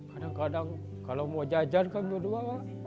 kadang kadang kalau mau jajan kan berdua